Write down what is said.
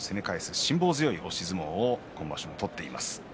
辛抱する押し相撲を今場所も取っています。